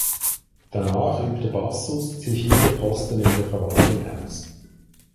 Danach übte Bassus zivile Posten in der Verwaltung aus.